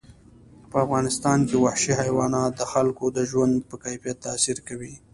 په افغانستان کې وحشي حیوانات د خلکو د ژوند په کیفیت تاثیر کوي.